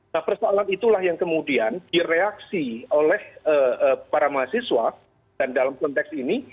nah persoalan itulah yang kemudian direaksi oleh para mahasiswa dan dalam konteks ini